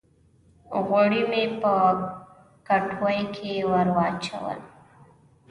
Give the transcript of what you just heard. غوړي مې په کټوۍ کښې ور واچول